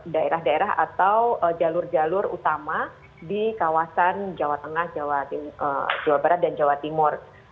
daerah daerah atau jalur jalur utama di kawasan jawa tengah jawa barat dan jawa timur